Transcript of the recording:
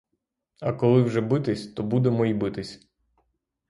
А коли вже битись, то будемо й битись.